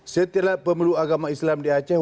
setelah pemilu agama islam di aceh